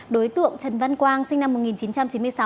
đối tượng trần văn quang sinh năm một nghìn chín trăm chín mươi sáu